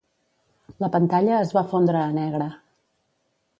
La pantalla es va fondre a negre.